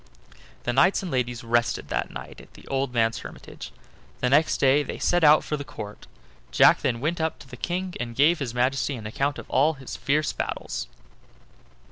The knights and ladies rested that night at the old man's hermitage, and next day they set out for the Court. Jack then went up to the King, and gave his Majesty an account of all his fierce battles.